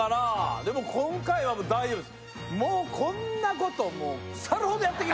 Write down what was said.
今回はもう大丈夫です